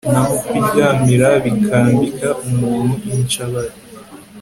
naho kuryamira bikambika umuntu incabari